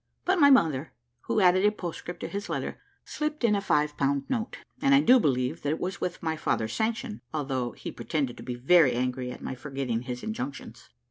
But my mother, who added a postscript to his letter, slipped in a five pound note, and I do believe that it was with my father's sanction, although he pretended to be very angry at my forgetting his injunctions.